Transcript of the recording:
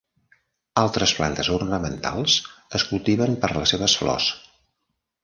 Altres plantes ornamentals es cultiven per les seves flors.